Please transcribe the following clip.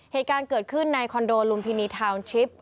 เหตุการณ์เกิดขึ้นในคอนโดลุมพินีทาวน์ชิป